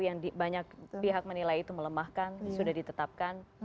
yang banyak pihak menilai itu melemahkan sudah ditetapkan